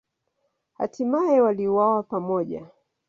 Hatimaye waliuawa pamoja.